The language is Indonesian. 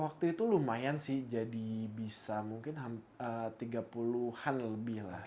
waktu itu lumayan sih jadi bisa mungkin tiga puluh an lebih lah